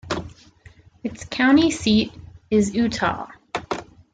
Its county seat is Eutaw.